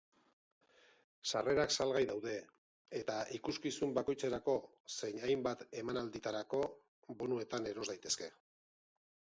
Sarrerak salgai daude, eta ikuskizun bakoitzerako zein hainbat emanalditarako bonuetan eros daitezke.